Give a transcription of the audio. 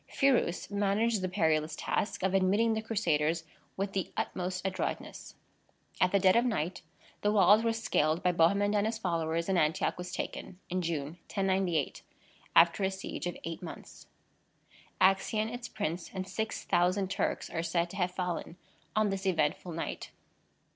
Phirous managed the perilous task of admitting the Crusaders with the utmost adroitness. At the dead of night the walls were scaled by Bohemond and his followers, and Antioch was taken, in June, 1098, after a siege of eight months. Accien, its prince, and 6,000 Turks, are said to have fallen on this eventful night.